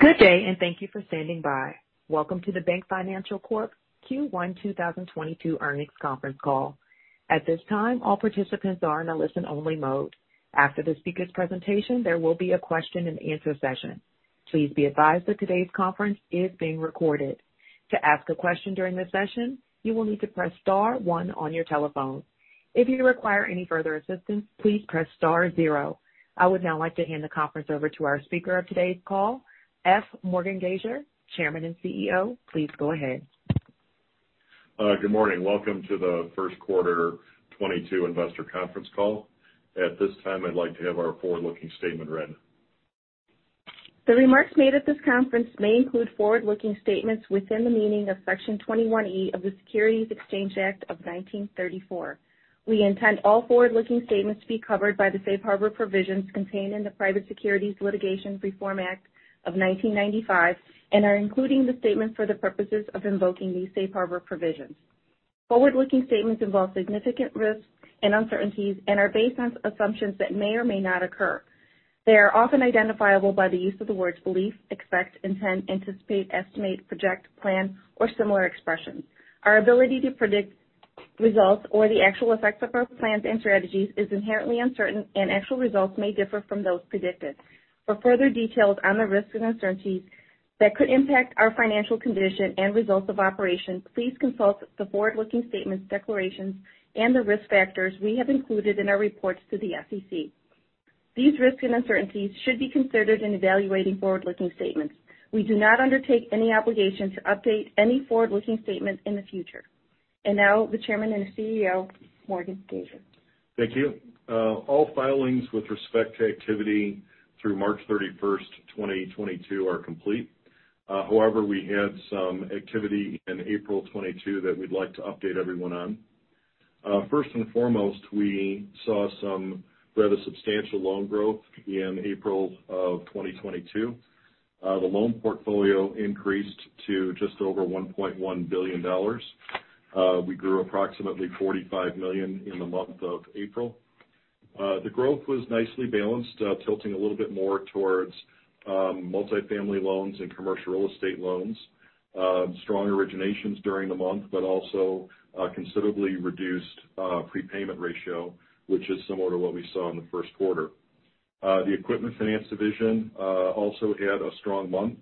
Good day, and thank you for standing by. Welcome to the BankFinancial Corporation Q1 2022 earnings conference call. At this time, all participants are in a listen-only mode. After the speaker's presentation, there will be a question and answer session. Please be advised that today's conference is being recorded. To ask a question during this session, you will need to press star one on your telephone. If you require any further assistance, please press star zero. I would now like to hand the conference over to our speaker of today's call, F. Morgan Gasior, Chairman and CEO. Please go ahead. Good morning. Welcome to the first quarter 2022 investor conference call. At this time, I'd like to have our forward-looking statement read. The remarks made at this conference may include forward-looking statements within the meaning of Section 21E of the Securities Exchange Act of 1934. We intend all forward-looking statements to be covered by the safe harbor provisions contained in the Private Securities Litigation Reform Act of 1995 and are including the statement for the purposes of invoking these safe harbor provisions. Forward-looking statements involve significant risks and uncertainties and are based on assumptions that may or may not occur. They are often identifiable by the use of the words belief, expect, intend, anticipate, estimate, project, plan, or similar expressions. Our ability to predict results or the actual effects of our plans and strategies is inherently uncertain, and actual results may differ from those predicted. For further details on the risks and uncertainties that could impact our financial condition and results of operations, please consult the forward-looking statements, declarations, and the risk factors we have included in our reports to the SEC. These risks and uncertainties should be considered in evaluating forward-looking statements. We do not undertake any obligation to update any forward-looking statement in the future. Now, the Chairman and CEO, F. Morgan Gasior. Thank you. All filings with respect to activity through March 31st 2022 are complete. However, we had some activity in April 2022 that we'd like to update everyone on. First and foremost, we saw some rather substantial loan growth in April 2022. The loan portfolio increased to just over $1.1 billion. We grew approximately $45 million in the month of April. The growth was nicely balanced, tilting a little bit more towards multifamily loans and commercial real estate loans. Strong originations during the month, but also considerably reduced prepayment ratio, which is similar to what we saw in the first quarter. The equipment finance division also had a strong month.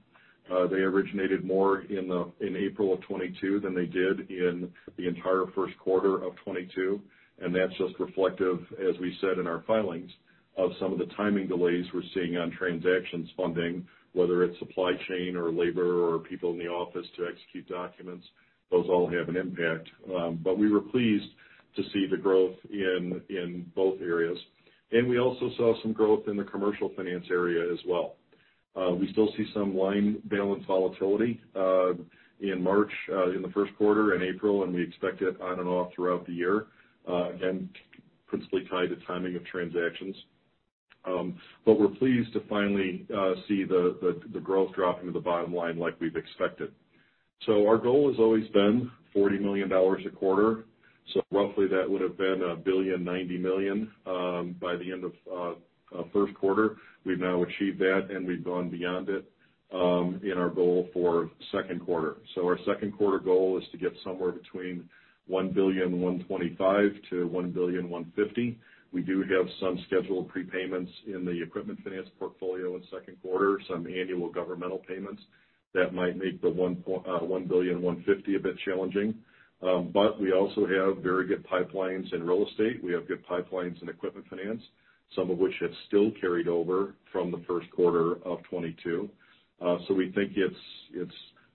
They originated more in April of 2022 than they did in the entire first quarter of 2022, and that's just reflective, as we said in our filings, of some of the timing delays we're seeing on transactions funding, whether it's supply chain or labor or people in the office to execute documents. Those all have an impact. We were pleased to see the growth in both areas. We also saw some growth in the commercial finance area as well. We still see some line balance volatility in March, in the first quarter in April, and we expect it on and off throughout the year, again, principally tied to timing of transactions. We're pleased to finally see the growth drop into the bottom line like we've expected. Our goal has always been $40 million a quarter, so roughly that would have been $1.09 billion by the end of first quarter. We've now achieved that, and we've gone beyond it in our goal for second quarter. Our second quarter goal is to get somewhere between $1.125 billion-$1.15 billion. We do have some scheduled prepayments in the equipment finance portfolio in second quarter, some annual governmental payments that might make the $1.15 billion a bit challenging. We also have very good pipelines in real estate. We have good pipelines in equipment finance, some of which have still carried over from the first quarter of 2022. We think it's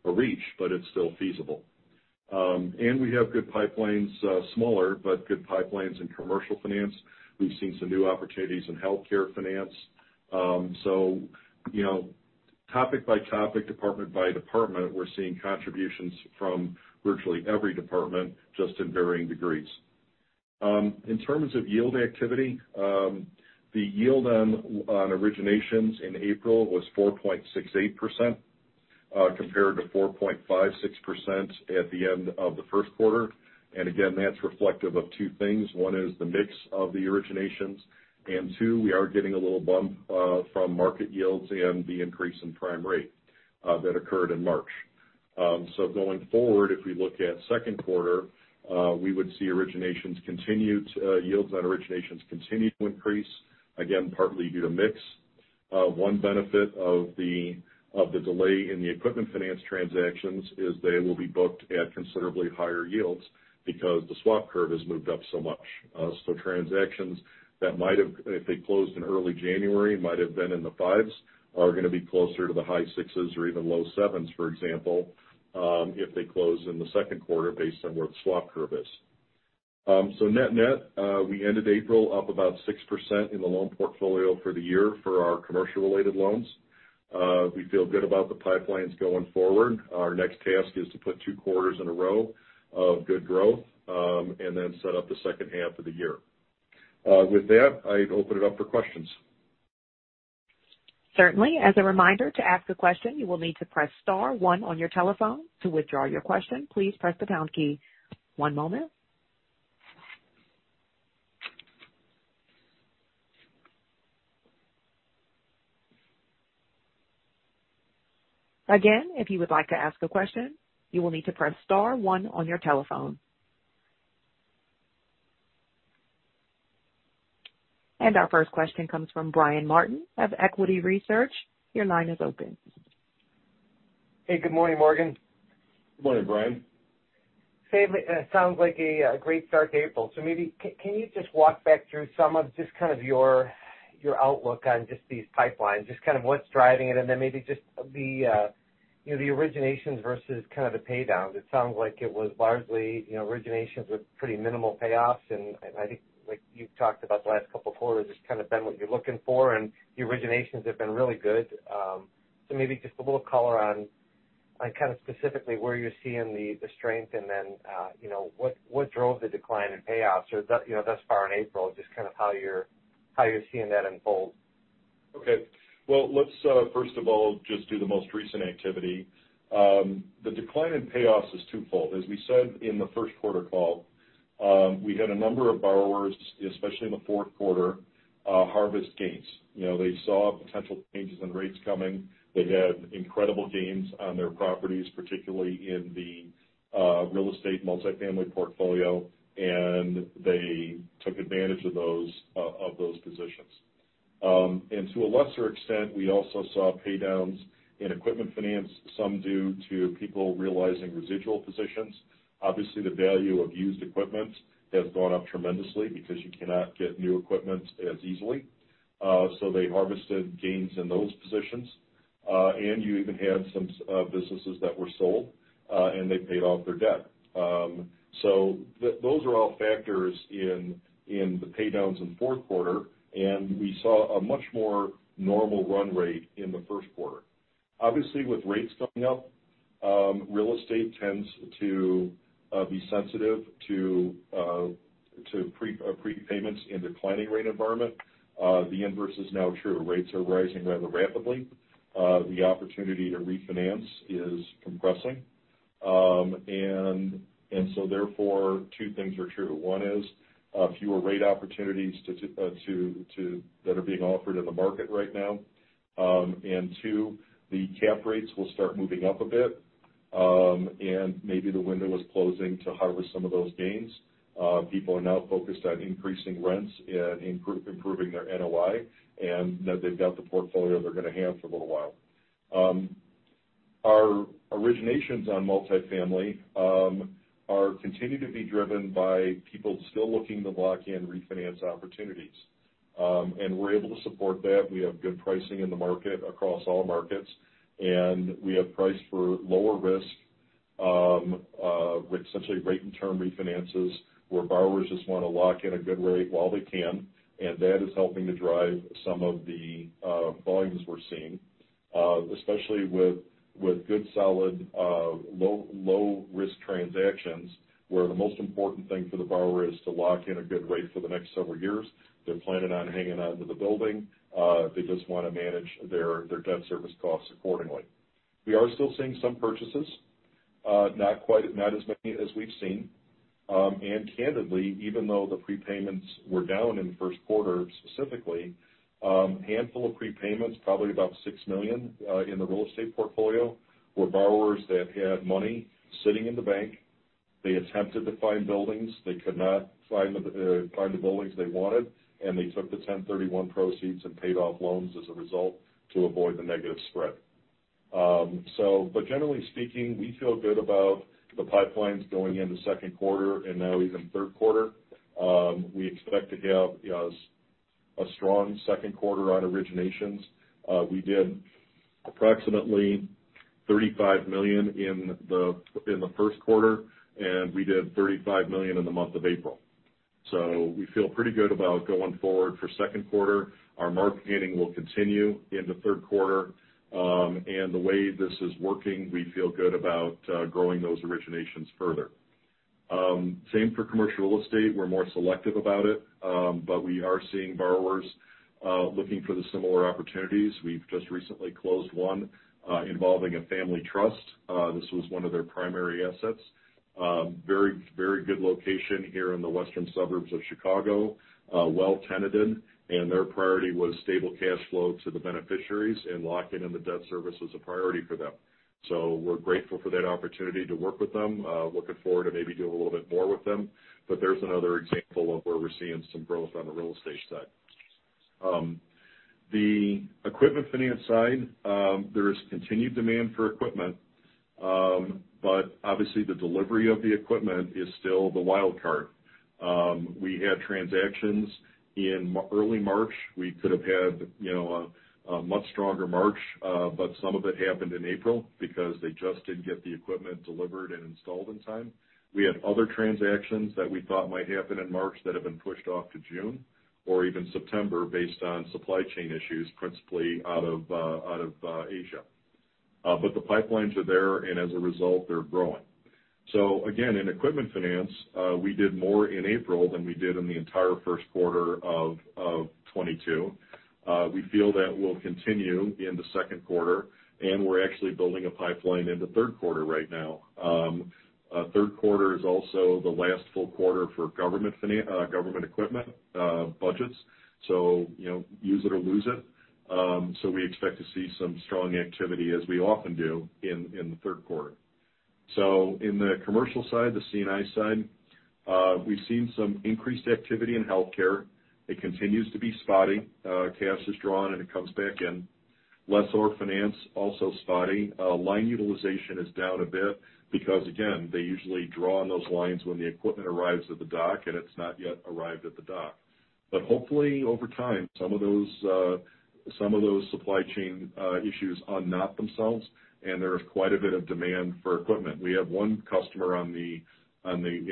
a reach, but it's still feasible. We have good pipelines, smaller, but good pipelines in commercial finance. We've seen some new opportunities in healthcare finance. You know, topic by topic, department by department, we're seeing contributions from virtually every department, just in varying degrees. In terms of yield activity, the yield on originations in April was 4.68%, compared to 4.56% at the end of the first quarter. Again, that's reflective of two things. One is the mix of the originations, and two, we are getting a little bump from market yields and the increase in prime rate that occurred in March. Going forward, if we look at second quarter, we would see yields on originations continue to increase, again, partly due to mix. One benefit of the delay in the equipment finance transactions is they will be booked at considerably higher yields because the swap curve has moved up so much. Transactions that might have, if they closed in early January, might have been in the 5s, are gonna be closer to the high 6s or even low 7s, for example, if they close in the second quarter based on where the swap curve is. Net-net, we ended April up about 6% in the loan portfolio for the year for our commercial-related loans. We feel good about the pipelines going forward. Our next task is to put two quarters in a row of good growth, and then set up the second half of the year. With that, I'd open it up for questions. Certainly. As a reminder, to ask a question, you will need to press star one on your telephone. To withdraw your question, please press the pound key. One moment. Again, if you would like to ask a question, you will need to press star one on your telephone. Our first question comes from Brian Martin of Equity Research. Your line is open. Hey, good morning, Morgan. Good morning, Brian. Sounds like a great start to April. Maybe can you just walk back through some of just kind of your outlook on just these pipelines, just kind of what's driving it and then maybe just the you know the originations versus kind of the pay downs. It sounds like it was largely you know originations with pretty minimal payoffs. I think like you've talked about the last couple of quarters, it's kind of been what you're looking for, and the originations have been really good. Maybe just a little color on kind of specifically where you're seeing the strength and then you know what drove the decline in payoffs or that you know thus far in April, just kind of how you're seeing that unfold. Okay. Well, let's first of all just do the most recent activity. The decline in payoffs is twofold. As we said in the first quarter call, we had a number of borrowers, especially in the fourth quarter, harvest gains. You know, they saw potential changes in rates coming. They had incredible gains on their properties, particularly in the real estate multifamily portfolio, and they took advantage of those of those positions. To a lesser extent, we also saw pay downs in equipment finance, some due to people realizing residual positions. Obviously, the value of used equipment has gone up tremendously because you cannot get new equipment as easily. They harvested gains in those positions. You even had some businesses that were sold, and they paid off their debt. Those are all factors in the pay downs in the fourth quarter, and we saw a much more normal run rate in the first quarter. Obviously, with rates going up, real estate tends to be sensitive to prepayments in declining rate environment. The inverse is now true. Rates are rising rather rapidly. The opportunity to refinance is compressing. Therefore, two things are true. One is fewer rate opportunities that are being offered in the market right now. Two, the cap rates will start moving up a bit, and maybe the window is closing to harvest some of those gains. People are now focused on increasing rents and improving their NOI, and that they've got the portfolio they're gonna have for a little while. Our originations on multifamily are continuing to be driven by people still looking to lock in refinance opportunities. We're able to support that. We have good pricing in the market across all markets, and we have priced for lower risk with essentially rate and term refinances where borrowers just wanna lock in a good rate while they can. That is helping to drive some of the volumes we're seeing, especially with good solid low risk transactions where the most important thing for the borrower is to lock in a good rate for the next several years. They're planning on hanging on to the building. They just wanna manage their debt service costs accordingly. We are still seeing some purchases, not quite as many as we've seen. Candidly, even though the prepayments were down in first quarter specifically, handful of prepayments, probably about $6 million, in the real estate portfolio, were borrowers that had money sitting in the bank. They attempted to find buildings. They could not find the buildings they wanted, and they took the 1031 exchange proceeds and paid off loans as a result to avoid the negative spread. Generally speaking, we feel good about the pipelines going into second quarter and now even third quarter. We expect to have, you know, a strong second quarter on originations. We did approximately $35 million in the first quarter, and we did $35 million in the month of April. We feel pretty good about going forward for second quarter. Our market gaining will continue in the third quarter. The way this is working, we feel good about growing those originations further. Same for commercial real estate. We're more selective about it, but we are seeing borrowers looking for the similar opportunities. We've just recently closed one involving a family trust. This was one of their primary assets. Very, very good location here in the western suburbs of Chicago, well tenanted, and their priority was stable cash flow to the beneficiaries and locking in the debt service was a priority for them. We're grateful for that opportunity to work with them. Looking forward to maybe do a little bit more with them. There's another example of where we're seeing some growth on the real estate side. The equipment finance side, there is continued demand for equipment, but obviously the delivery of the equipment is still the wild card. We had transactions in early March. We could have had, you know, a much stronger March, but some of it happened in April because they just didn't get the equipment delivered and installed in time. We had other transactions that we thought might happen in March that have been pushed off to June or even September based on supply chain issues, principally out of Asia. The pipelines are there, and as a result, they're growing. Again, in equipment finance, we did more in April than we did in the entire first quarter of 2022. We feel that will continue in the second quarter, and we're actually building a pipeline in the third quarter right now. Third quarter is also the last full quarter for government equipment budgets. You know, use it or lose it. We expect to see some strong activity as we often do in the third quarter. In the commercial side, the C&I side, we've seen some increased activity in healthcare. It continues to be spotty. C&I is drawn, and it comes back in. Lessor finance, also spotty. Line utilization is down a bit because, again, they usually draw on those lines when the equipment arrives at the dock, and it's not yet arrived at the dock. Hopefully, over time, some of those supply chain issues unknot themselves, and there is quite a bit of demand for equipment. We have one customer on the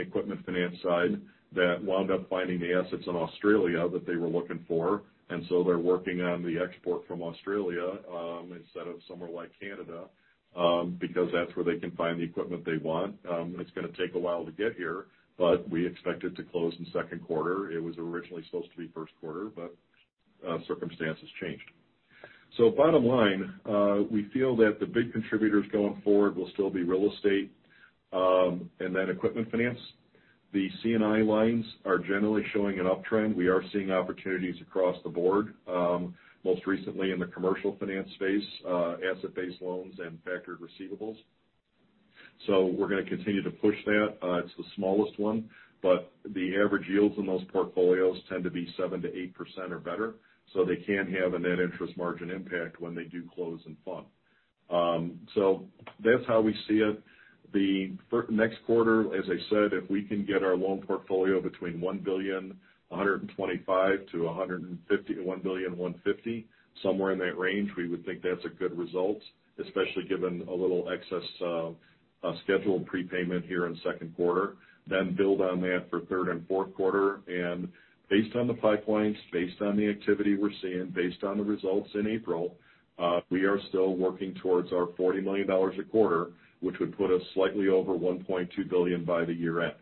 equipment finance side that wound up finding the assets in Australia that they were looking for, and so they're working on the export from Australia, instead of somewhere like Canada, because that's where they can find the equipment they want. It's gonna take a while to get here, but we expect it to close in second quarter. It was originally supposed to be first quarter, but circumstances changed. Bottom line, we feel that the big contributors going forward will still be real estate, and then equipment finance. The C&I lines are generally showing an uptrend. We are seeing opportunities across the board, most recently in the commercial finance space, asset-based loans and factored receivables. We're gonna continue to push that. It's the smallest one, but the average yields in those portfolios tend to be 7%-8% or better, so they can have a net interest margin impact when they do close and fund. That's how we see it. Next quarter, as I said, if we can get our loan portfolio between $1.125 billion-$1.15 billion, somewhere in that range, we would think that's a good result, especially given a little excess scheduled prepayment here in the second quarter, then build on that for third and fourth quarter. Based on the pipelines, based on the activity we're seeing, based on the results in April, we are still working towards our $40 million a quarter, which would put us slightly over $1.2 billion by the year-end.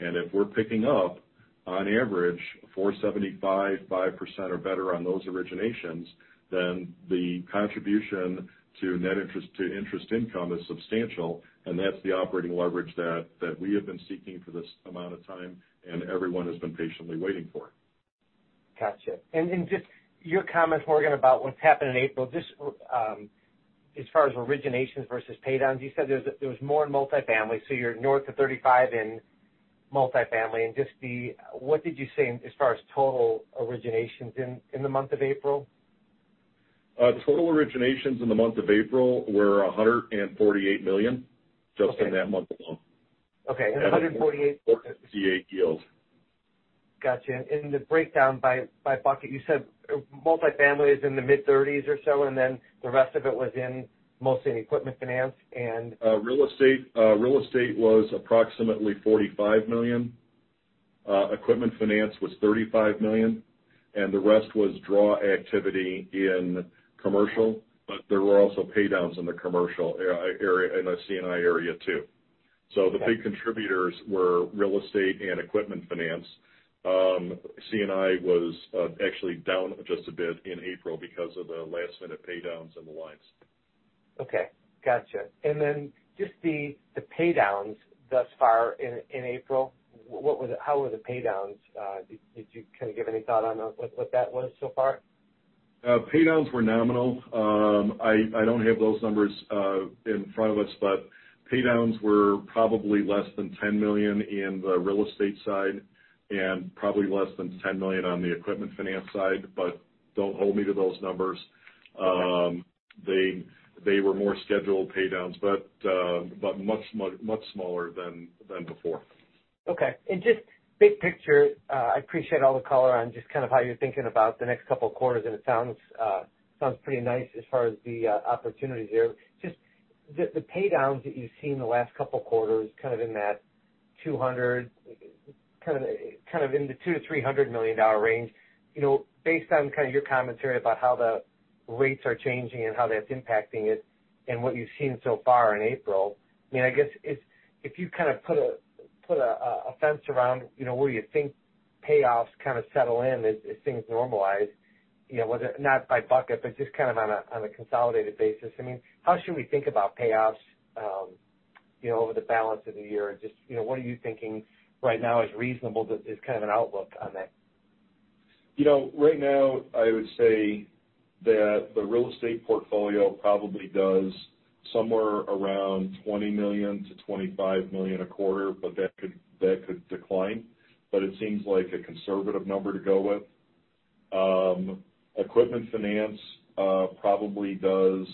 If we're picking up on average 4.75%-5% or better on those originations, then the contribution to net interest income is substantial, and that's the operating leverage that we have been seeking for this amount of time, and everyone has been patiently waiting for. Gotcha. Just your comments, Morgan, about what's happened in April, just as far as originations versus paydowns, you said there's more in multifamily, so you're north of $35 in multifamily. Just what did you say as far as total originations in the month of April? Total originations in the month of April were $148 million. Okay. Just in that month alone. Okay. 148 At a 40% coupon yield. Gotcha. In the breakdown by bucket, you said, multifamily is in the mid-thirties or so, and then the rest of it was mostly in equipment finance and- Real estate was approximately $45 million. Equipment finance was $35 million, and the rest was draw activity in commercial. There were also paydowns in the commercial area, in the C&I area too. Okay. The big contributors were real estate and equipment finance. C&I was actually down just a bit in April because of the last-minute paydowns in the lines. Okay. Gotcha. Then just the paydowns thus far in April, how were the paydowns? Did you kind of give any thought on what that was so far? Paydowns were nominal. I don't have those numbers in front of us, but paydowns were probably less than $10 million in the real estate side and probably less than $10 million on the equipment finance side, but don't hold me to those numbers. They were more scheduled paydowns, but much smaller than before. Okay. Just big picture, I appreciate all the color on just kind of how you're thinking about the next couple of quarters, and it sounds pretty nice as far as the opportunities here. Just the paydowns that you've seen the last couple of quarters, kind of in that $200 million-$300 million range. You know, based on kind of your commentary about how the rates are changing and how that's impacting it and what you've seen so far in April, I mean, I guess if you kind of put a fence around, you know, where you think payoffs kind of settle in as things normalize, you know, whether not by bucket, but just kind of on a consolidated basis, I mean, how should we think about payoffs, you know, over the balance of the year? Just, you know, what are you thinking right now is reasonable as kind of an outlook on that? You know, right now I would say that the real estate portfolio probably does somewhere around $20 million-$25 million a quarter, but that could decline, but it seems like a conservative number to go with. Equipment finance probably does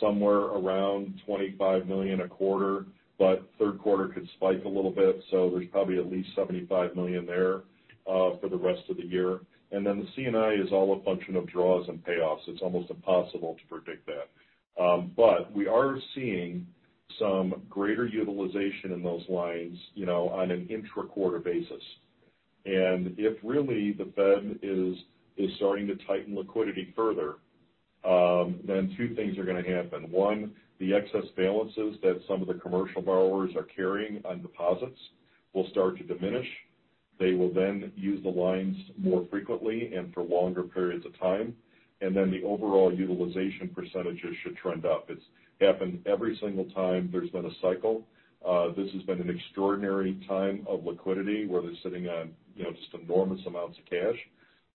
somewhere around $25 million a quarter, but third quarter could spike a little bit, so there's probably at least $75 million there for the rest of the year. Then the C&I is all a function of draws and payoffs. It's almost impossible to predict that. But we are seeing some greater utilization in those lines, you know, on an intra-quarter basis. If really the Fed is starting to tighten liquidity further, then two things are gonna happen. One, the excess balances that some of the commercial borrowers are carrying on deposits will start to diminish. They will then use the lines more frequently and for longer periods of time. The overall utilization percentages should trend up. It's happened every single time there's been a cycle. This has been an extraordinary time of liquidity where they're sitting on, you know, just enormous amounts of cash.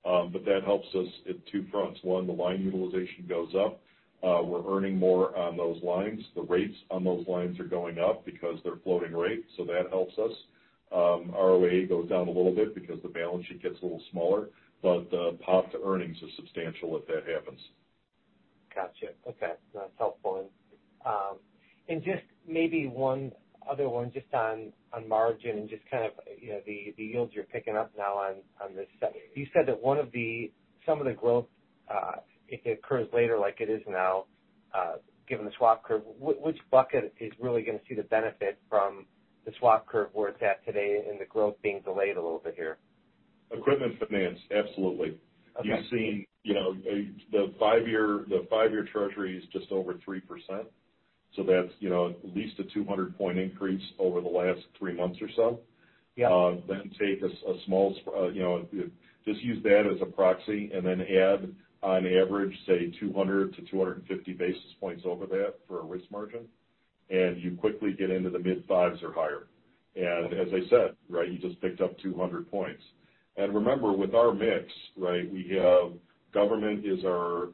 But that helps us at two fronts. One, the line utilization goes up. We're earning more on those lines. The rates on those lines are going up because they're floating rate, so that helps us. ROA goes down a little bit because the balance sheet gets a little smaller, but the pop to earnings is substantial if that happens. Gotcha. Okay. That's helpful. Just maybe one other one just on margin and just kind of, you know, the yields you're picking up now on this sector. You said that some of the growth, if it occurs later like it is now, given the swap curve, which bucket is really gonna see the benefit from the swap curve where it's at today and the growth being delayed a little bit here? Equipment finance, absolutely. Okay. You've seen, you know, the 5-year treasury is just over 3%. That's, you know, at least a 200-point increase over the last three months or so. Yeah. Take a, you know, just use that as a proxy, and then add on average, say, 200-250 basis points over that for a risk margin. You quickly get into the mid-fives or higher. As I said, right, you just picked up 200 points. Remember, with our mix, right, we have government is our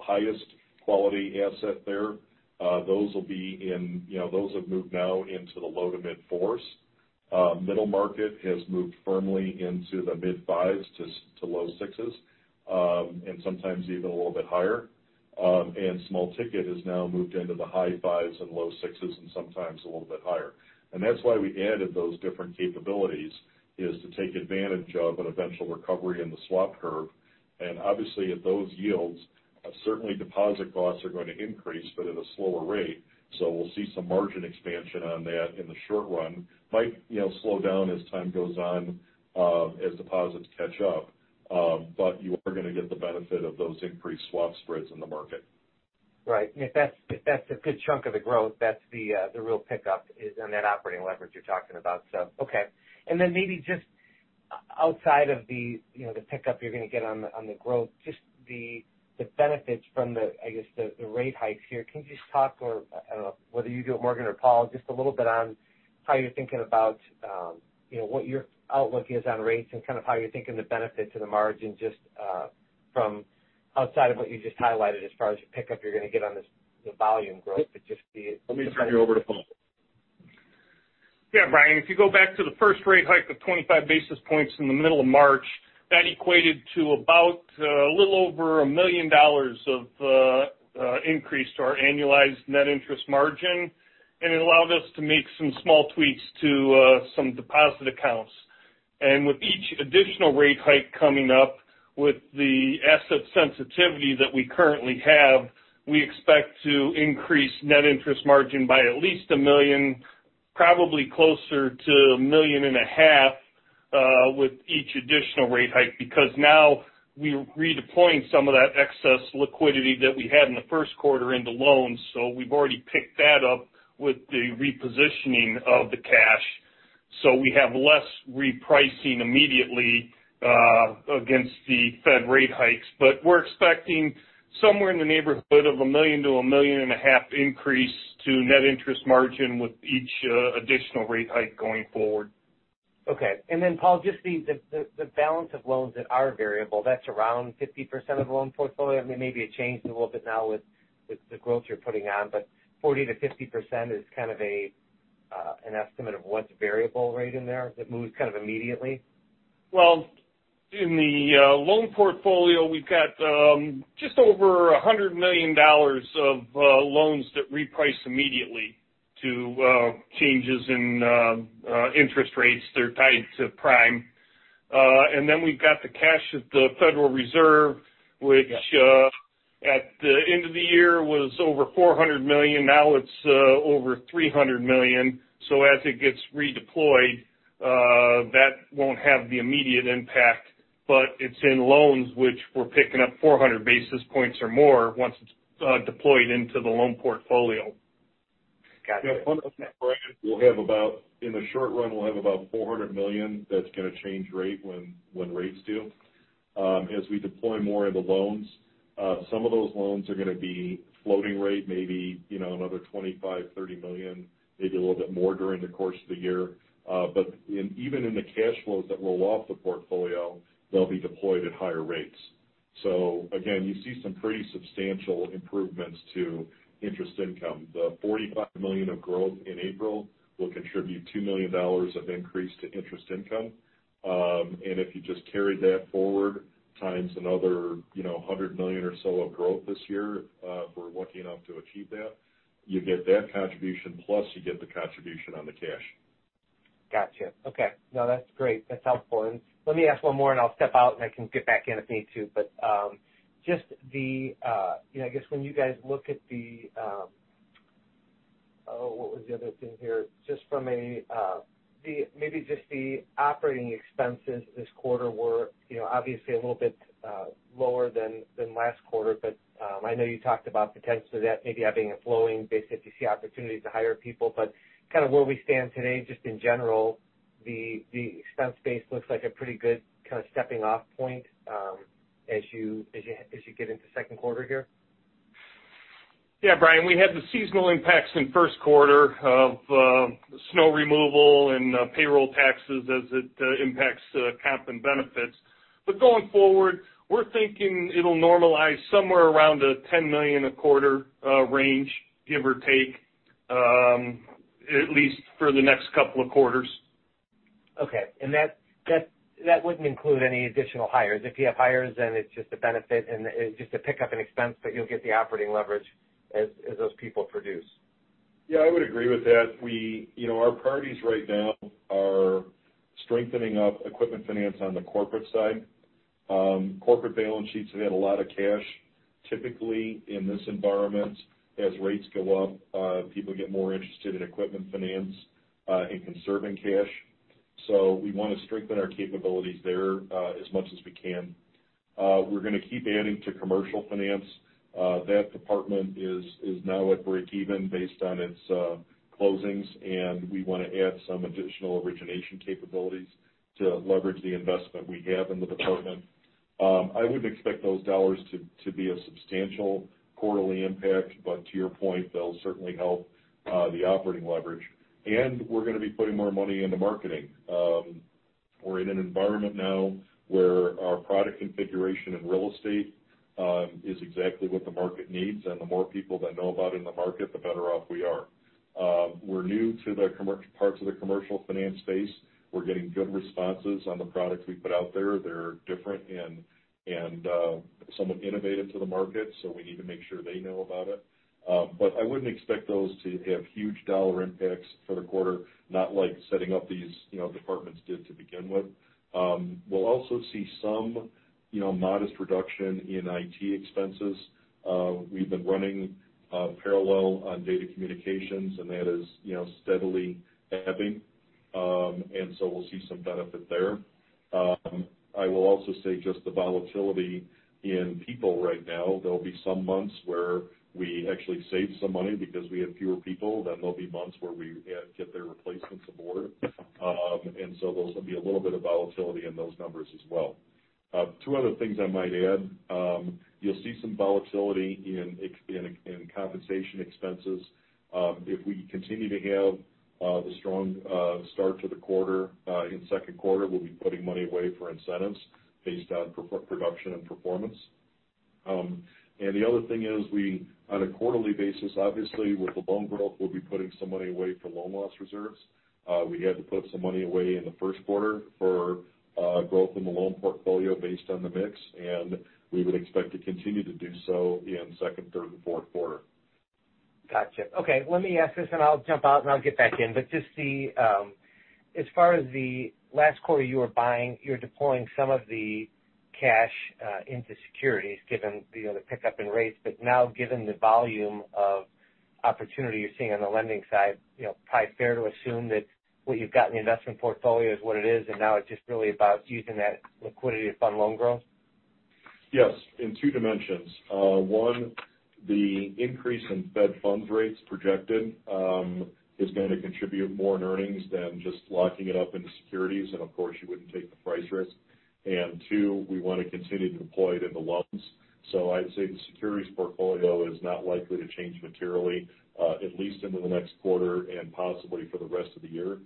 highest quality asset there. Those will be in, you know, those have moved now into the low to mid-fours. Middle market has moved firmly into the mid-fives to low sixes, and sometimes even a little bit higher. Small ticket has now moved into the high fives and low sixes and sometimes a little bit higher. That's why we added those different capabilities, is to take advantage of an eventual recovery in the swap curve. Obviously, at those yields, certainly deposit costs are going to increase, but at a slower rate. We'll see some margin expansion on that in the short run. Might, you know, slow down as time goes on, as deposits catch up. You are gonna get the benefit of those increased swap spreads in the market. Right. If that's, if that's a good chunk of the growth, that's the real pickup on that operating leverage you're talking about. Okay. Then maybe just outside of the, you know, the pickup you're gonna get on the growth, just the benefits from the, I guess, the rate hikes here. Can you just talk or, I don't know, whether you do it, Morgan or Paul, just a little bit on how you're thinking about, you know, what your outlook is on rates and kind of how you're thinking the benefit to the margin just from outside of what you just highlighted as far as the pickup you're gonna get on this, the volume growth, but just the Let me turn you over to Paul. Yeah, Brian, if you go back to the first rate hike of 25 basis points in the middle of March, that equated to about a little over $1 million of increase to our annualized net interest margin. It allowed us to make some small tweaks to some deposit accounts. With each additional rate hike coming up with the asset sensitivity that we currently have, we expect to increase net interest margin by at least $1 million, probably closer to $1.5 million, with each additional rate hike because now we're redeploying some of that excess liquidity that we had in the first quarter into loans. We've already picked that up with the repositioning of the cash. We have less repricing immediately against the Fed rate hikes. We're expecting somewhere in the neighborhood of $1 million-$1.5 million increase to net interest margin with each additional rate hike going forward. Okay. Then Paul, just the balance of loans that are variable, that's around 50% of the loan portfolio. I mean, maybe it changed a little bit now with the growth you're putting on, but 40%-50% is kind of an estimate of what's variable rate in there that moves kind of immediately. Well, in the loan portfolio, we've got just over $100 million of loans that reprice immediately to changes in interest rates. They're tied to prime. We've got the cash at the Federal Reserve, which Yeah at the end of the year was over $400 million. Now it's over $300 million. As it gets redeployed, that won't have the immediate impact. It's in loans which we're picking up 400 basis points or more once it's deployed into the loan portfolio. Gotcha. Okay. Yeah, Brian, in the short run, we'll have about $400 million that's gonna change rate when rates do. As we deploy more in the loans, some of those loans are gonna be floating rate, maybe, you know, another $25 million-$30 million, maybe a little bit more during the course of the year. But even in the cash flows that roll off the portfolio, they'll be deployed at higher rates. Again, you see some pretty substantial improvements to interest income. The $45 million of growth in April will contribute $2 million of increase to interest income. If you just carry that forward times another, you know, $100 million or so of growth this year, if we're lucky enough to achieve that, you get that contribution plus you get the contribution on the cash. Gotcha. Okay. No, that's great. That's helpful. Let me ask one more, and I'll step out, and I can get back in if I need to. Just the, you know, I guess when you guys look at the, what was the other thing here? Just from a, the, maybe just the operating expenses this quarter were, you know, obviously a little bit lower than last quarter. I know you talked about potentially that maybe having a floor base if you see opportunities to hire people. Kind of where we stand today, just in general, the expense base looks like a pretty good kind of stepping off point, as you get into second quarter here. Yeah, Brian, we had the seasonal impacts in first quarter of snow removal and payroll taxes as it impacts comp and benefits. Going forward, we're thinking it'll normalize somewhere around the $10 million a quarter range, give or take, at least for the next couple of quarters. Okay. That wouldn't include any additional hires. If you have hires, then it's just a benefit and just a pickup in expense, but you'll get the operating leverage as those people produce. Yeah, I would agree with that. We, you know, our priorities right now are strengthening up equipment finance on the corporate side. Corporate balance sheets have had a lot of cash. Typically, in this environment, as rates go up, people get more interested in equipment finance and conserving cash. We wanna strengthen our capabilities there, as much as we can. We're gonna keep adding to commercial finance. That department is now at breakeven based on its closings, and we wanna add some additional origination capabilities to leverage the investment we have in the department. I wouldn't expect those dollars to be a substantial quarterly impact, but to your point, they'll certainly help the operating leverage. We're gonna be putting more money into marketing. We're in an environment now where our product configuration in real estate is exactly what the market needs, and the more people that know about it in the market, the better off we are. We're new to the commercial parts of the commercial finance space. We're getting good responses on the products we put out there. They're different and somewhat innovative to the market, so we need to make sure they know about it. I wouldn't expect those to have huge dollar impacts for the quarter, not like setting up these, you know, departments did to begin with. We'll also see some, you know, modest reduction in IT expenses. We've been running parallel on data communications, and that is, you know, steadily ebbing. We'll see some benefit there. I will also say just the volatility in people right now. There'll be some months where we actually save some money because we have fewer people, then there'll be months where we get their replacements aboard. There'll be a little bit of volatility in those numbers as well. Two other things I might add. You'll see some volatility in compensation expenses. If we continue to have the strong start to the quarter in second quarter, we'll be putting money away for incentives based on production and performance. The other thing is we, on a quarterly basis, obviously with the loan growth, we'll be putting some money away for loan loss reserves. We had to put some money away in the first quarter for growth in the loan portfolio based on the mix, and we would expect to continue to do so in second, third and fourth quarter. Gotcha. Okay. Let me ask this, and I'll jump out, and I'll get back in. But just the as far as the last quarter, you were buying, you were deploying some of the cash into securities given, you know, the pickup in rates. But now given the volume of opportunity you're seeing on the lending side, you know, probably fair to assume that what you've got in the investment portfolio is what it is, and now it's just really about using that liquidity to fund loan growth? Yes, in two dimensions. One, the increase in Fed funds rates projected is going to contribute more in earnings than just locking it up into securities, and of course, you wouldn't take the price risk. Two, we want to continue to deploy it in the loans. I'd say the securities portfolio is not likely to change materially, at least into the next quarter and possibly for the rest of the year.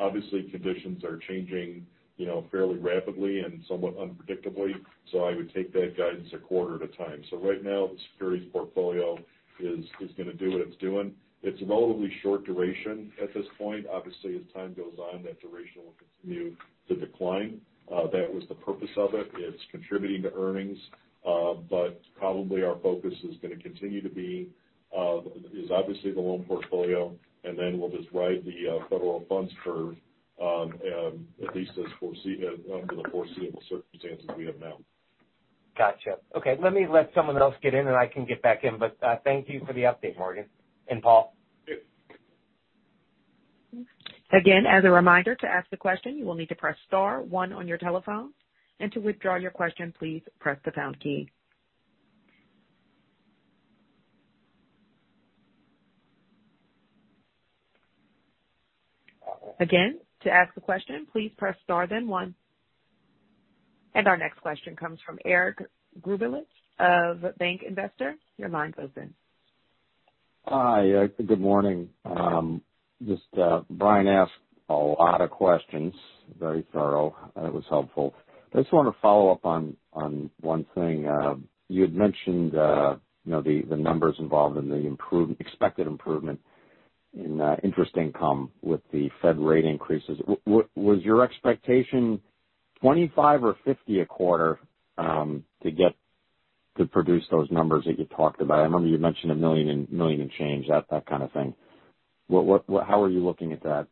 Obviously conditions are changing, you know, fairly rapidly and somewhat unpredictably, so I would take that guidance a quarter at a time. Right now, the securities portfolio is gonna do what it's doing. It's relatively short duration at this point. Obviously, as time goes on, that duration will continue to decline. That was the purpose of it. It's contributing to earnings. Probably our focus is gonna continue to be obviously the loan portfolio, and then we'll just ride the federal funds curve, at least under the foreseeable circumstances we have now. Gotcha. Okay. Let me let someone else get in, and I can get back in. Thank you for the update, Morgan and Paul. Sure. Again, as a reminder, to ask a question, you will need to press star one on your telephone. To withdraw your question, please press the pound key. Again, to ask a question, please press star then one. Our next question comes from Eric Grubelitz of Bank Investor. Your line's open. Hi, good morning. Just, Brian asked a lot of questions, very thorough. That was helpful. I just wanted to follow up on one thing. You had mentioned, you know, the numbers involved in the expected improvement in interest income with the Fed rate increases. Was your expectation 25 or 50 a quarter, to produce those numbers that you talked about? I remember you mentioned $1 million and change, that kind of thing. What, how are you looking at that?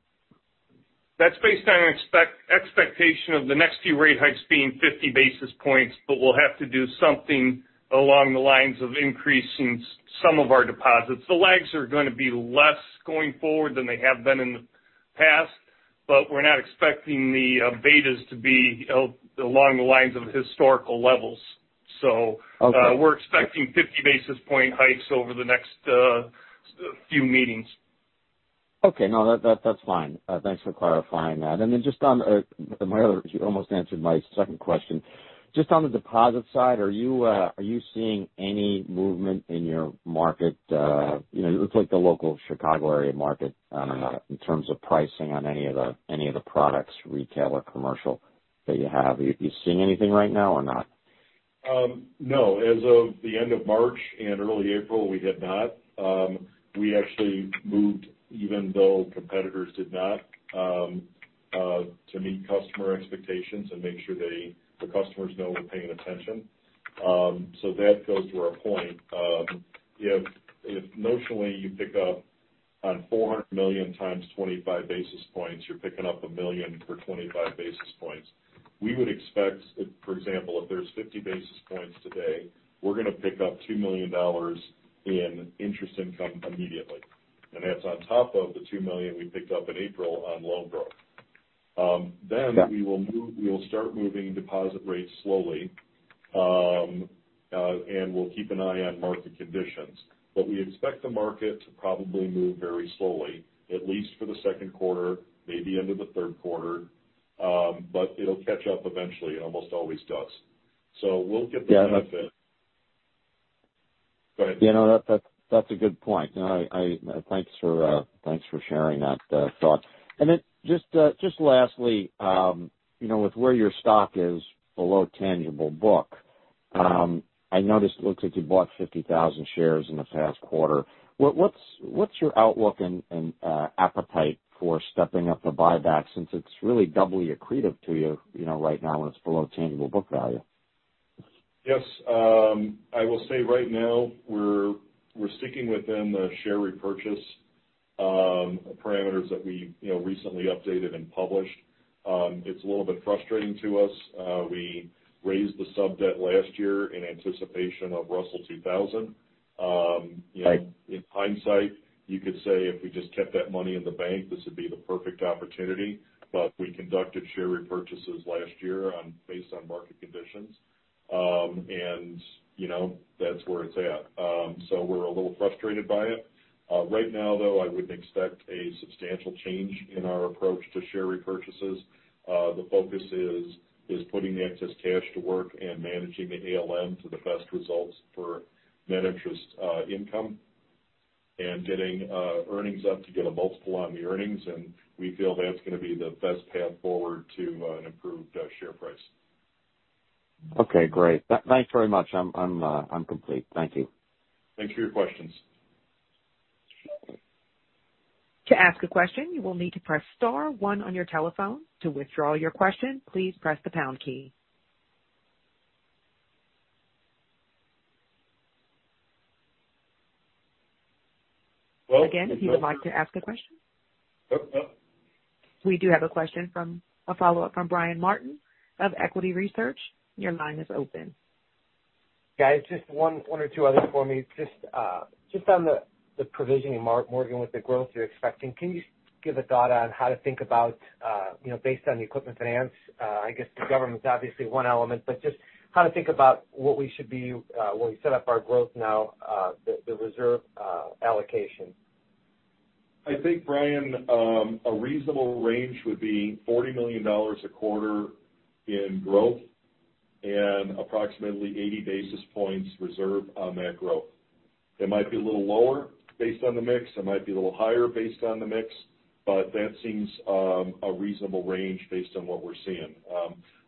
That's based on expectation of the next few rate hikes being 50 basis points, but we'll have to do something along the lines of increasing some of our deposits. The lags are gonna be less going forward than they have been in the past, but we're not expecting the betas to be along the lines of historical levels. Okay. We're expecting 50 basis point hikes over the next few meetings. Okay. No, that's fine. Thanks for clarifying that. You almost answered my second question. Just on the deposit side, are you seeing any movement in your market, you know, it looks like the local Chicago area market, I don't know, in terms of pricing on any of the products, retail or commercial that you have. Are you seeing anything right now or not? No. As of the end of March and early April, we had not. We actually moved even though competitors did not, to meet customer expectations and make sure they, the customers know we're paying attention. That goes to our point. If notionally you pick up on $400 million times 25 basis points, you're picking up $1 million per 25 basis points. We would expect, for example, if there's 50 basis points today, we're gonna pick up $2 million in interest income immediately. That's on top of the $2 million we picked up in April on loan growth. Yeah. We will start moving deposit rates slowly, and we'll keep an eye on market conditions. We expect the market to probably move very slowly, at least for the second quarter, maybe into the third quarter, but it'll catch up eventually. It almost always does. We'll get the benefit. Yeah. Go ahead. Yeah, no, that's a good point. No. Thanks for sharing that thought. Then just lastly, you know, with where your stock is below tangible book, I noticed it looks like you bought 50,000 shares in the past quarter. What's your outlook and appetite for stepping up the buyback since it's really doubly accretive to you know, right now when it's below tangible book value? Yes. I will say right now we're sticking within the share repurchase parameters that we, you know, recently updated and published. It's a little bit frustrating to us. We raised the sub-debt last year in anticipation of Russell 2000. Right. In hindsight, you could say if we just kept that money in the bank, this would be the perfect opportunity. We conducted share repurchases last year on based on market conditions. You know, that's where it's at. We're a little frustrated by it. Right now though, I wouldn't expect a substantial change in our approach to share repurchases. The focus is putting the excess cash to work and managing the ALM to the best results for net interest income and getting earnings up to get a multiple on the earnings. We feel that's gonna be the best path forward to an improved share price. Okay, great. Thanks very much. I'm complete. Thank you. Thanks for your questions. To ask a question, you will need to press star one on your telephone. To withdraw your question, please press the pound key. Well- Again, if you would like to ask a question. Oh, no. We do have a follow-up from Brian Martin of Equity Research. Your line is open. Guys, just one or two others for me. Just on the provisioning, Morgan, with the growth you're expecting, can you give a thought on how to think about, you know, based on the equipment finance, I guess the government's obviously one element, but just how to think about what we should be when we set up our growth now, the reserve allocation. I think, Brian, a reasonable range would be $40 million a quarter in growth and approximately 80 basis points reserve on that growth. It might be a little lower based on the mix. It might be a little higher based on the mix. That seems a reasonable range based on what we're seeing.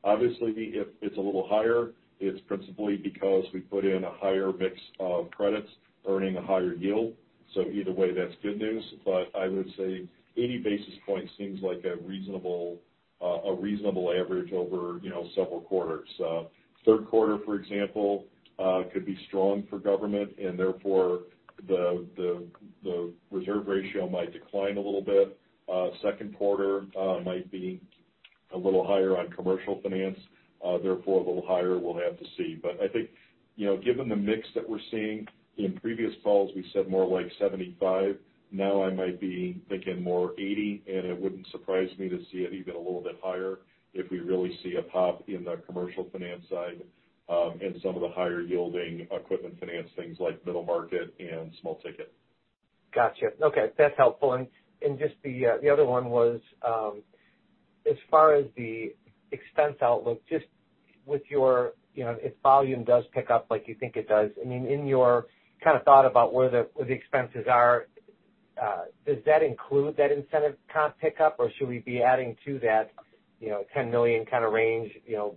Obviously, if it's a little higher, it's principally because we put in a higher mix of credits earning a higher yield, so either way, that's good news. I would say 80 basis points seems like a reasonable average over, you know, several quarters. Third quarter, for example, could be strong for government and therefore the reserve ratio might decline a little bit. Second quarter might be a little higher on commercial finance, therefore a little higher. We'll have to see. I think, you know, given the mix that we're seeing, in previous calls we said more like 75%, now I might be thinking more 80%, and it wouldn't surprise me to see it even a little bit higher if we really see a pop in the commercial finance side, and some of the higher yielding equipment finance things like middle market and small ticket. Gotcha. Okay, that's helpful. Just the other one was, as far as the expense outlook, just with your, you know, if volume does pick up like you think it does, I mean, in your kind of thought about where the expenses are, does that include that incentive comp pickup, or should we be adding to that, you know, $10 million kind of range, you know,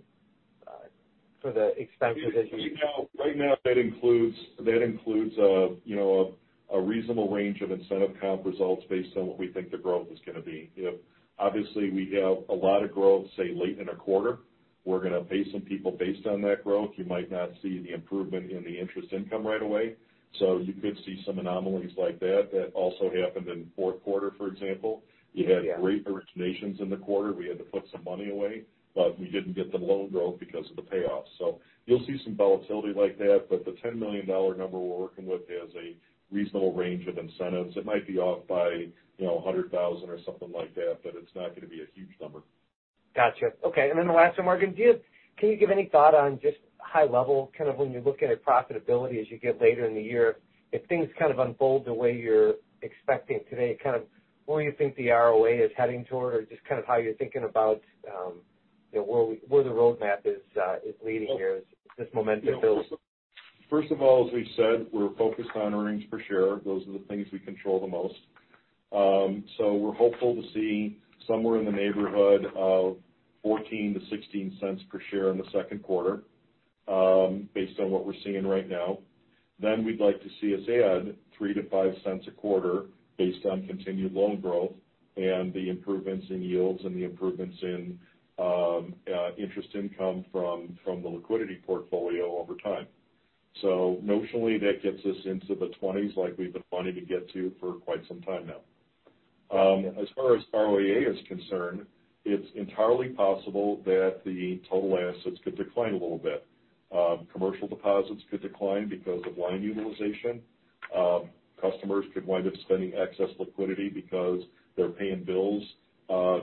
for the expenses as you? Right now that includes you know a reasonable range of incentive comp results based on what we think the growth is gonna be. You know obviously we have a lot of growth say late in a quarter. We're gonna pay some people based on that growth. You might not see the improvement in the interest income right away. You could see some anomalies like that. That also happened in fourth quarter for example. We had great originations in the quarter. We had to put some money away but we didn't get the loan growth because of the payoffs. You'll see some volatility like that. The $10 million number we're working with is a reasonable range of incentives. It might be off by you know a $100,000 or something like that but it's not gonna be a huge number. Gotcha. Okay. Then the last one, Morgan, can you give any thought on just high level, kind of when you're looking at profitability as you get later in the year, if things kind of unfold the way you're expecting today, kind of where you think the ROA is heading toward or just kind of how you're thinking about, you know, where the roadmap is leading here as this momentum builds? First of all, as we said, we're focused on earnings per share. Those are the things we control the most. We're hopeful to see somewhere in the neighborhood of $0.14-$0.16 per share in the second quarter, based on what we're seeing right now. We'd like to see us add $0.03-$0.05 a quarter based on continued loan growth and the improvements in yields and the improvements in interest income from the liquidity portfolio over time. Notionally, that gets us into the 20s like we've been wanting to get to for quite some time now. As far as ROA is concerned, it's entirely possible that the total assets could decline a little bit. Commercial deposits could decline because of line utilization. Customers could wind up spending excess liquidity because they're paying bills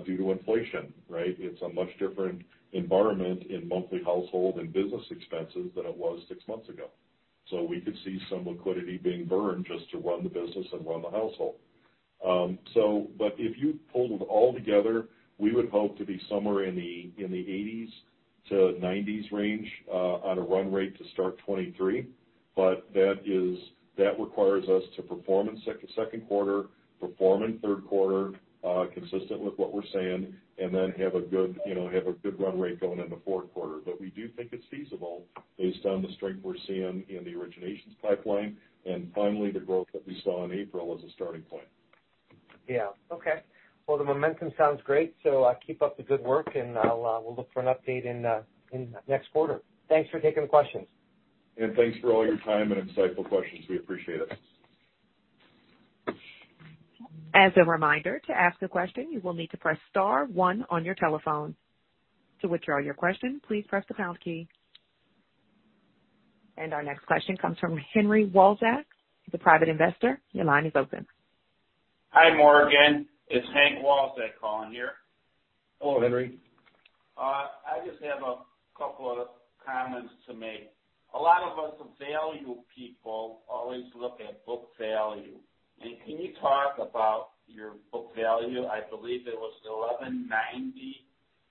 due to inflation, right? It's a much different environment in monthly household and business expenses than it was six months ago. We could see some liquidity being burned just to run the business and run the household. If you pulled it all together, we would hope to be somewhere in the 80s-90s range on a run rate to start 2023. That requires us to perform in second quarter, perform in third quarter consistent with what we're saying, and then have a good, you know, run rate going in the fourth quarter. We do think it's feasible based on the strength we're seeing in the originations pipeline, and finally, the growth that we saw in April as a starting point. Yeah. Okay. Well, the momentum sounds great, so keep up the good work, and we'll look for an update in next quarter. Thanks for taking the questions. Thanks for all your time and insightful questions. We appreciate it. As a reminder, to ask a question, you will need to press star one on your telephone. To withdraw your question, please press the pound key. Our next question comes from Henryk F. Walczak, the private investor. Your line is open. Hi, Morgan. It's Hank Walczak calling here. Hello, Henry. I just have a couple of comments to make. A lot of us value people always look at book value. Can you talk about your book value? I believe it was $11.90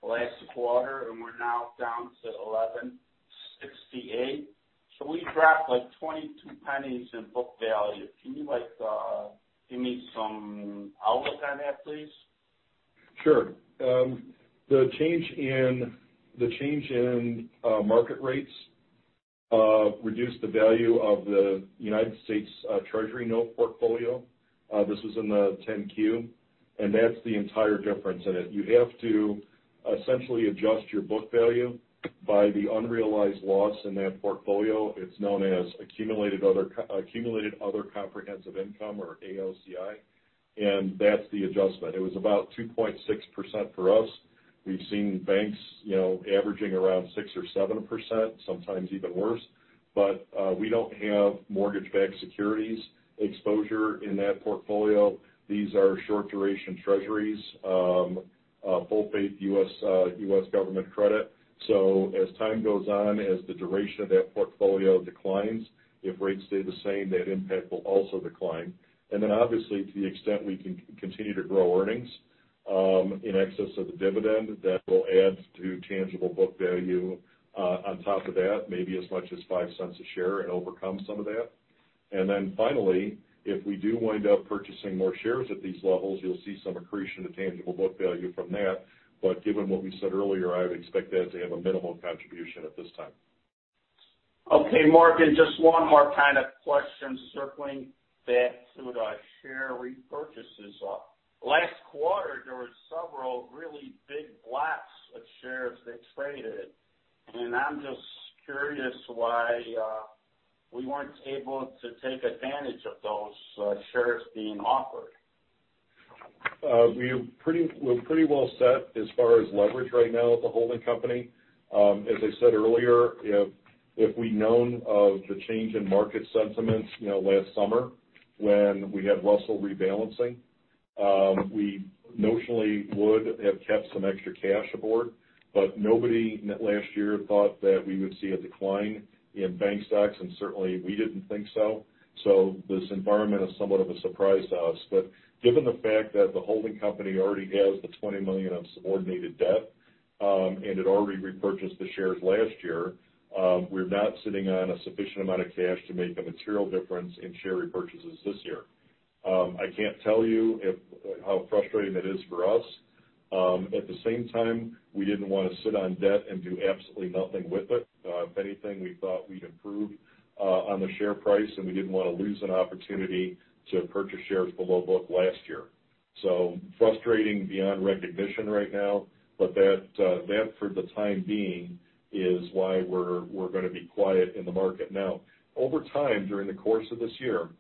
last quarter, and we're now down to $11.68. We dropped, like, $0.22 in book value. Can you, like, give me some outlook on that, please? Sure. The change in market rates reduced the value of the U.S. Treasury note portfolio. This was in the 10-Q, and that's the entire difference in it. You have to essentially adjust your book value by the unrealized loss in that portfolio. It's known as accumulated other comprehensive income or AOCI, and that's the adjustment. It was about 2.6% for us. We've seen banks, you know, averaging around 6% or 7%, sometimes even worse. We don't have mortgage-backed securities exposure in that portfolio. These are short-duration Treasuries, full faith U.S. government credit. As time goes on, as the duration of that portfolio declines, if rates stay the same, that impact will also decline. Obviously, to the extent we can continue to grow earnings in excess of the dividend, that will add to tangible book value, on top of that, maybe as much as $0.05 a share and overcome some of that. Finally, if we do wind up purchasing more shares at these levels, you'll see some accretion of tangible book value from that. Given what we said earlier, I would expect that to have a minimal contribution at this time. Okay. Morgan, just one more kind of question circling back to the share repurchases. Last quarter, there were several really big blocks of shares that traded, and I'm just curious why we weren't able to take advantage of those shares being offered. We're pretty well set as far as leverage right now at the holding company. As I said earlier, if we'd known of the change in market sentiments, you know, last summer when we had Russell rebalancing, we notionally would have kept some extra cash aboard, but nobody last year thought that we would see a decline in bank stocks, and certainly, we didn't think so. This environment is somewhat of a surprise to us. Given the fact that the holding company already has the $20 million of subordinated debt, and had already repurchased the shares last year, we're not sitting on a sufficient amount of cash to make a material difference in share repurchases this year. I can't tell you how frustrating that is for us. At the same time, we didn't want to sit on debt and do absolutely nothing with it. If anything, we thought we'd improve on the share price, and we didn't want to lose an opportunity to purchase shares below book last year. Frustrating beyond recognition right now, but that for the time being is why we're gonna be quiet in the market now. Over time, during the course of this year,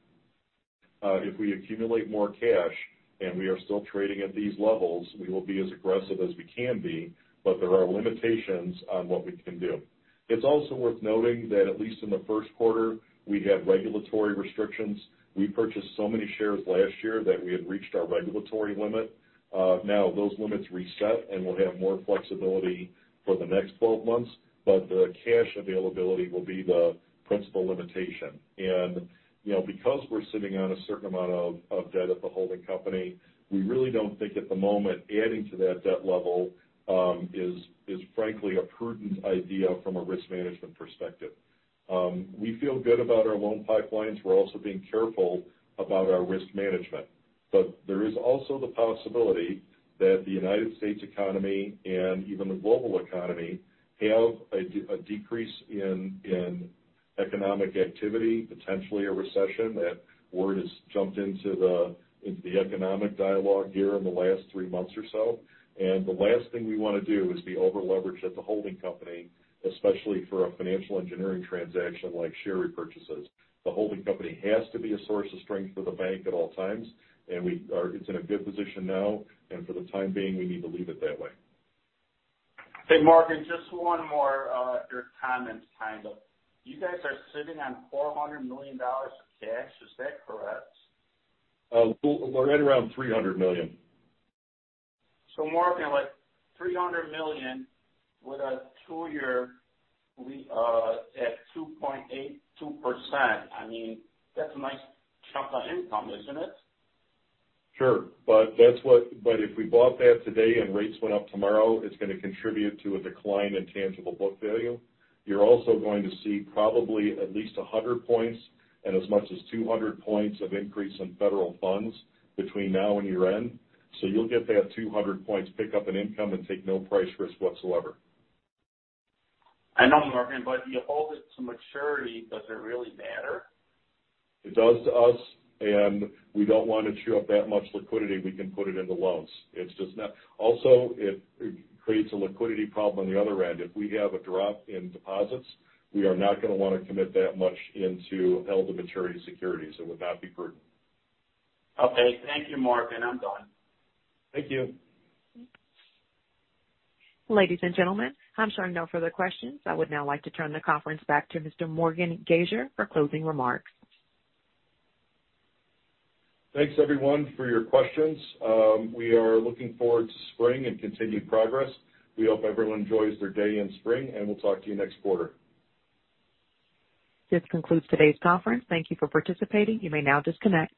if we accumulate more cash and we are still trading at these levels, we will be as aggressive as we can be, but there are limitations on what we can do. It's also worth noting that at least in the first quarter, we had regulatory restrictions. We purchased so many shares last year that we had reached our regulatory limit. Now those limits reset, and we'll have more flexibility for the next 12 months, but the cash availability will be the principal limitation. You know, because we're sitting on a certain amount of debt at the holding company, we really don't think at the moment adding to that debt level is frankly a prudent idea from a risk management perspective. We feel good about our loan pipelines. We're also being careful about our risk management. There is also the possibility that the United States economy and even the global economy have a decrease in economic activity, potentially a recession. That word has jumped into the economic dialogue here in the last three months or so. The last thing we wanna do is be over-leveraged at the holding company, especially for a financial engineering transaction like share repurchases. The holding company has to be a source of strength for the bank at all times, and it's in a good position now, and for the time being, we need to leave it that way. Hey, Morgan, just one more. You guys are sitting on $400 million of cash. Is that correct? We're right around $300 million. Morgan, like, $300 million with a two-year at 2.82%. I mean, that's a nice chunk of income, isn't it? Sure. If we bought that today and rates went up tomorrow, it's gonna contribute to a decline in tangible book value. You're also going to see probably at least 100 points and as much as 200 points of increase in federal funds between now and year-end. You'll get that 200 points pick-up in income and take no price risk whatsoever. I know, Morgan, but you hold it to maturity. Does it really matter? It does to us, and we don't wanna chew up that much liquidity we can put it into loans. It's just not. Also, it creates a liquidity problem on the other end. If we have a drop in deposits, we are not gonna wanna commit that much into held-to-maturity securities. It would not be prudent. Okay, thank you, Morgan. I'm done. Thank you. Ladies and gentlemen, I'm showing no further questions. I would now like to turn the conference back to Mr. Morgan Gasior for closing remarks. Thanks, everyone, for your questions. We are looking forward to spring and continued progress. We hope everyone enjoys their day and spring, and we'll talk to you next quarter. This concludes today's conference. Thank you for participating. You may now disconnect.